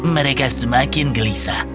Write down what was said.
mereka semakin gelisah